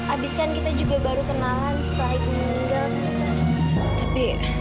abiskan kita juga baru kenalan setelah ibu meninggal